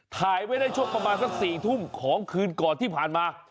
ถ่ายไว้ได้ช่วงประมาณสัก๔ทุ่มของคืนก่อนที่ผ่านมา